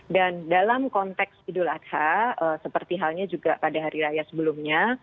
dan dalam konteks idul adha seperti halnya juga pada hari raya sebelumnya